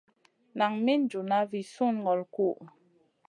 Nan min junʼna vi sùnŋolo kuhʼu.